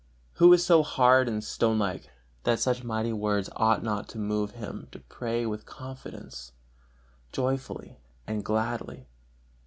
Who is so hard and stone like, that such mighty words ought not to move him to pray with all confidence! joyfully and gladly?